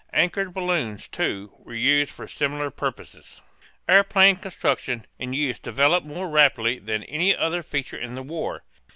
Anchored balloons, too, were used for similar purposes. Airplane construction and use developed more rapidly than any other feature in the war.